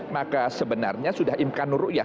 maka sebenarnya sudah imkanur ruiyah